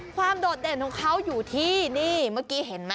โดดเด่นของเขาอยู่ที่นี่เมื่อกี้เห็นไหม